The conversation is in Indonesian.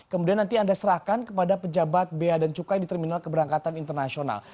kemudian nanti anda serahkan kepada pejabat bea dan cukai di terminal keberangkatan internasional